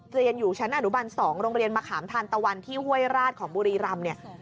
เรียนอยู่ชั้นอนุบัน๒โรงเรียนมะขามทานตะวันที่ห้วยราชของบุรีรำเนี่ย